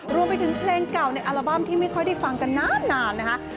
รวมไปถึงเพลงเก่าในอัลบั้มที่ไม่ค่อยได้ฟังกันนานนะคะ